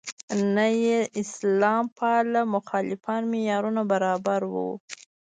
نه یې اسلام پاله مخالفان معیارونو برابر وو.